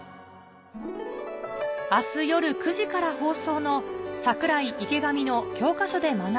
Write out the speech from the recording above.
明日夜９時から放送の『櫻井池上の教科書で学べない